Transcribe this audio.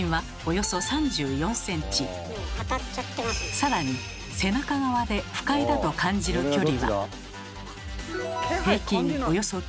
更に背中側で不快だと感じる距離は。